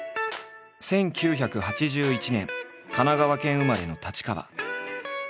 １９８１年神奈川県生まれの太刀川。